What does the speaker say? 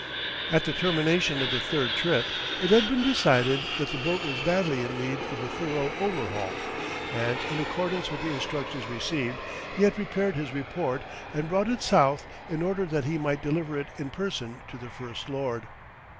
At the termination of the third trip, it had been decided that the boat was badly in need of a thorough overhaul, and in accordance with the instructions received, he had prepared his report and brought it south in order that he might deliver it in person to the First Lord.